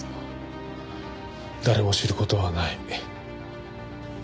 誰も知る事はない。